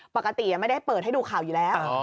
ปกติไม่ได้เปิดให้ดูข่าวอยู่แล้ว